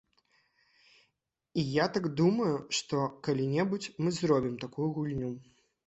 І я так думаю, што калі-небудзь мы зробім такую гульню.